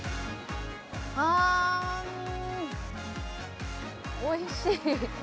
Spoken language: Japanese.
あ、おいしい！